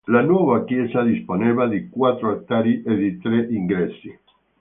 La nuova chiesa disponeva di quattro altari e di tre ingressi.